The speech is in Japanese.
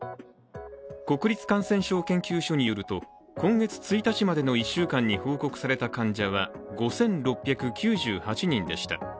国立感染症研究所によると、今月１日までの１週間に報告された患者は５６９８人でした。